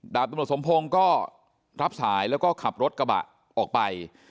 ตำรวจสมพงศ์ก็รับสายแล้วก็ขับรถกระบะออกไป